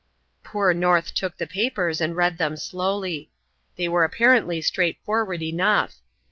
Poor North took the papers and read them slowly. They were apparently straightforward enough.